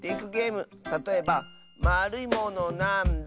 たとえば「まるいものなんだ？」